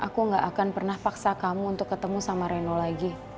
aku gak akan pernah paksa kamu untuk ketemu sama reno lagi